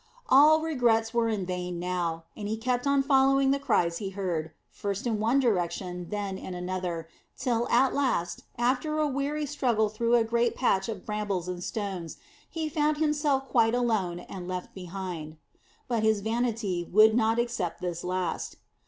All regrets were vain now, and he kept on following the cries he heard, first in one direction and then in another, till at last, after a weary struggle through a great patch of brambles and stones, he found himself quite alone and left behind. But his vanity would not accept this last.